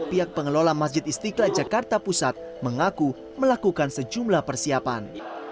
pihak pengelola masjid istiqlal jakarta pusat mengaku melakukan sejumlah persiapan